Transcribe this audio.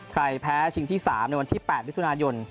แพ้ชิงที่๓ในวันที่๘มิถุนายน